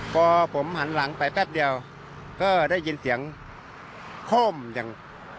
พอผมหันหลังไปแป๊บเดียวก็ได้ยินเสียงโค้มอย่าง